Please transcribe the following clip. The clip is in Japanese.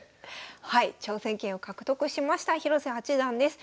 はい挑戦権を獲得しました広瀬八段です。